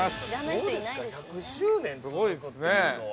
◆どうですか、１００周年続くというのは。